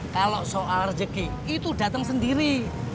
kalau soal rezeki itu datang sendiri